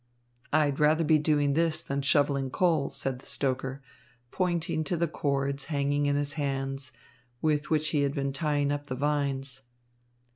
"I'd rather be doing this than shovelling coal," said the stoker, pointing to the cords hanging in his hands, with which he had been tying up the vines.